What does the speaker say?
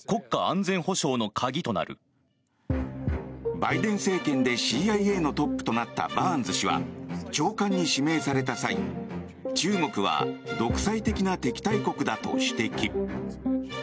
バイデン政権でＣＩＡのトップとなったバーンズ氏は長官に指名された際中国は独裁的な敵対国だと指摘。